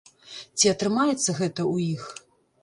Ці атрымаецца гэта ў іх?